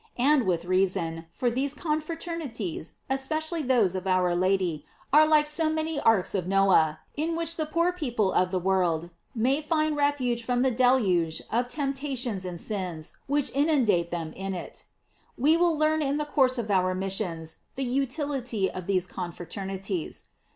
* And with reason, for these confra ternities, especially those of our Lady, are like so many arks of Noe, in which the poor people of the world may find refuge from the deluge of temptations and sins which inundate them in it. We will learn in the course of our missions the utility of these confraternities.